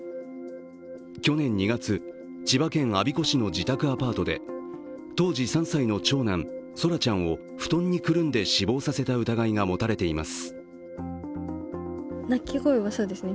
去年２月、千葉県我孫子市の自宅アパートで当時３歳の長男、奏良ちゃんを布団にくるんで死亡させた疑いが持たれています。